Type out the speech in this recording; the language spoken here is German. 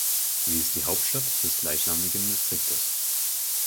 Sie ist die Hauptstadt des gleichnamigen Distriktes.